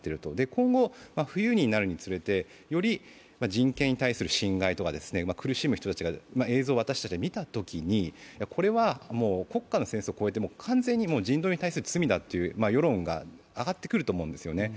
今後、冬になるにつれて人権に対する侵害とか苦しむ人たちの映像を私たちが見たときに、これは国家の戦争を超えて完全に人道に対する罪だという世論が上ってくると思うんですよね。